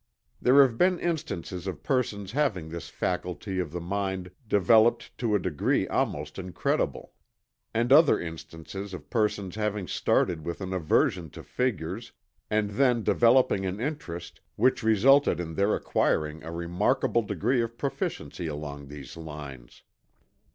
There have been instances of persons having this faculty of the mind developed to a degree almost incredible; and other instances of persons having started with an aversion to figures and then developing an interest which resulted in their acquiring a remarkable degree of proficiency along these lines.